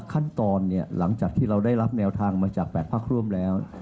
ขั้นตอนหลังจากที่เราได้รับแนวทางมาจาก๘พักร่วมแล้ว